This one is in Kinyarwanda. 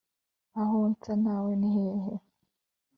aho nsa nawe ni hehe ?